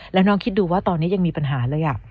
แล้วน้องคิดดูว่าตอนนี้ยังมีปัญหาเลย